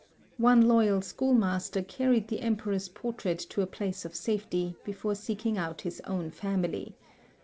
One loyal schoolmaster carried the emperor's i)ortrait to a place of safety l)efore seeking out his own family.